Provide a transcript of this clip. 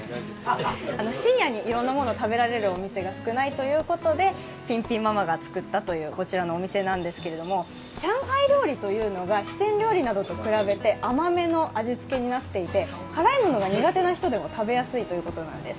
深夜にいろんなものを食べられるお店が少ないということでピンピンママがつくったというこちらのお店なんですけれども、上海料理というのが、四川料理などと比べて甘めの味付けとなっていて、辛いものが苦手な人でも食べやすいということなんです。